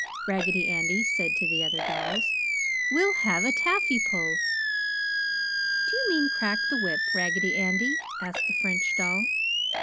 Raggedy Andy said to the other dolls. "We'll have a taffy pull!" "Do you mean crack the whip, Raggedy Andy?" asked the French doll.